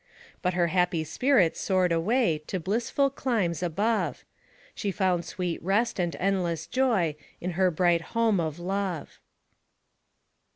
But her happy spirit soared away To blissful climes above ; She found sweet rest and endless joj In her bright home of love.